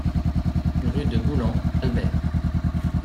Rue de Boulan, Albert